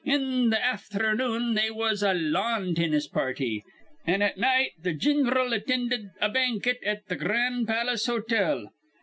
In th' afthernoon they was a lawn tinnis party, an' at night the gin'ral attinded a banket at th' Gran' Palace Hotel.